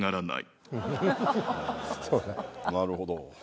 なるほど。